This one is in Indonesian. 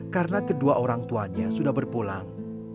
karena kedua orang tuanya sudah berpulang